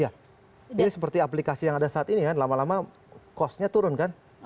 ya ini seperti aplikasi yang ada saat ini kan lama lama costnya turun kan